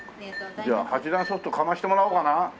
じゃあ８段ソフトかましてもらおうかな。